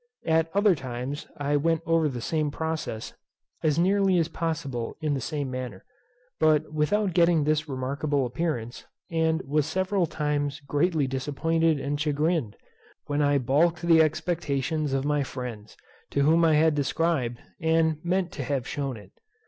At other times I went over the same process, as nearly as possible in the same manner, but without getting this remarkable appearance, and was several times greatly disappointed and chagrined, when I baulked the expectations of my friends, to whom I had described, and meant to have shewn it.